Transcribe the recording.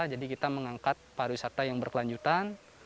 jadi kita mengangkat pariwisata yang berkelanjutan